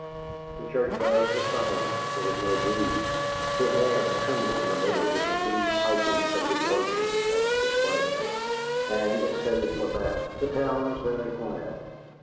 The church bells were silent; there was no breeze; the air trembled a little with the deep pipings of the organ across the Square, and, save for that, the town was very quiet.